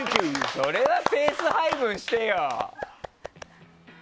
それはペース配分してよ。